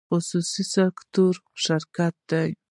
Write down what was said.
خصوصي سکتور شریک دی